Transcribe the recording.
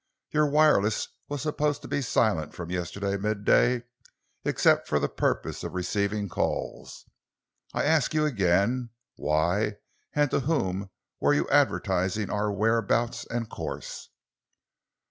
"Your wireless was supposed to be silent from yesterday midday except for the purpose of receiving calls. I ask you again, why and to whom were you advertising our whereabouts and course?"